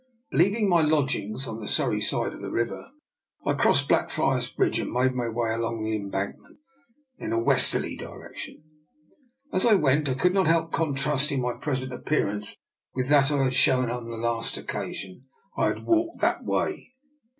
Leaving my lodgings on the Surrey side of the river, I crossed Blackfriars Bridge, and made my way along the Embankment in a westerly direction. As I went I could not help contrasting my present appearance with that I had shown on the last occasion I had walked that way.